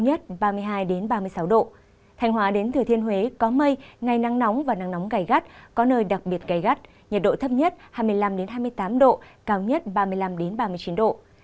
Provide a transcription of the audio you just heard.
phía tây bắc bộ có mây ngày nắng nóng nhiệt độ thấp nhất hai mươi năm hai mươi tám độ cao nhất ba mươi hai ba mươi chín độ